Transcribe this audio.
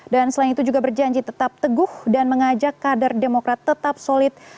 dan selain itu juga berjanji tetap teguh dan mengajak kader demokrat tetap solid